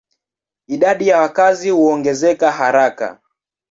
Idadi ya wakazi huongezeka haraka.